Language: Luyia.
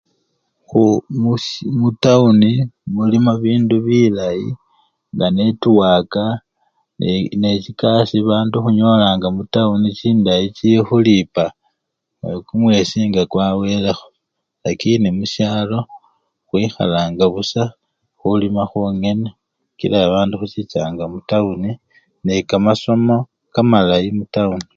Khu! musyi! mutawuni! mulimo bindubilayi nga network ne! ne! nechikasii bandu khunyolanga mutawuni chindayi chikhulipa ee! kumwesi nga kwawelekho lakini musyalo khwikhalanga busa, khulima khwongene kila bandu khuchichanga mutawuni nekamasomo kamalayi mutawuni.